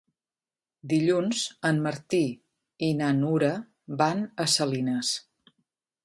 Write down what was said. Dilluns en Martí i na Nura van a Salines.